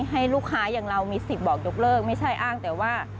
ให้ลูกค้าอย่างเรามีสิทธิ์บอกยกเลิกไม่ใช่อ้างแต่ว่า